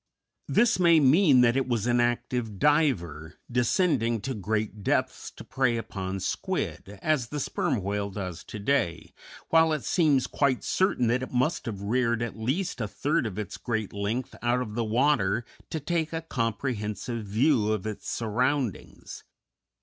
This may mean that it was an active diver, descending to great depths to prey upon squid, as the Sperm Whale does to day, while it seems quite certain that it must have reared at least a third of its great length out of water to take a comprehensive view of its surroundings.